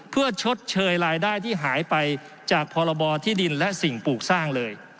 เพื่อชดเชยรายได้ที่หายไปจากพรบที่ดินและสิ่งปลูกสร้างเลย